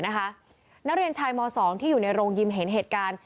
นักเรียนชายม๒ที่อยู่ในโรงยิมเห็นเหตุการณ์